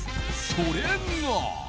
それが。